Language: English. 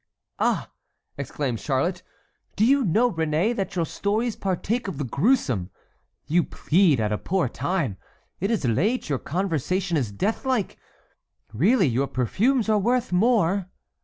"Ah!" exclaimed Charlotte, "do you know, Réné, that your stories partake of the gruesome? You plead at a poor time. It is late, your conversation is death like. Really, your perfumes are worth more."